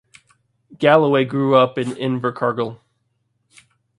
Galloway grew up in Invercargill.